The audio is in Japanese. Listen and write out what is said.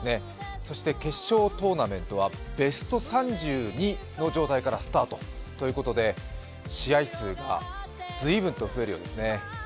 そして決勝トーナメントはベスト３０の状態からスタートということで試合数が随分と増えるようですね。